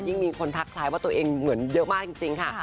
มีคนทักทายว่าตัวเองเหมือนเยอะมากจริงค่ะ